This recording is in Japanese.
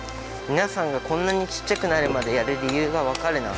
皆さんがこんなにちっちゃくなるまでやる理由が分かるな。